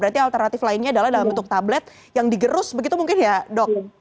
berarti alternatif lainnya adalah dalam bentuk tablet yang digerus begitu mungkin ya dok